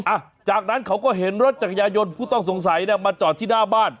อ่ะจากนั้นเขาก็เห็นรถจักรยายนผู้ต้องสงสัยเนี่ยมาจอดที่หน้าบ้าน